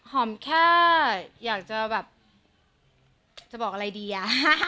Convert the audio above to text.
แค่อยากจะแบบจะบอกอะไรดีอ่ะ